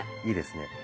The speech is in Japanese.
いいですね。